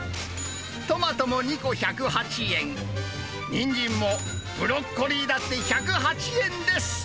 トマトも２個１０８円、ニンジンも、ブロッコリーだって１０８円です。